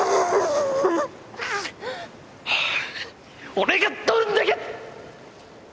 俺がどんだけ！